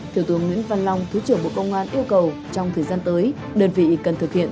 thiếu tướng nguyễn văn long thứ trưởng bộ công an yêu cầu trong thời gian tới đơn vị cần thực hiện